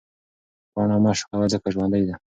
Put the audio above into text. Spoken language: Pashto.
پاڼه مه شکوه ځکه ژوندۍ ده.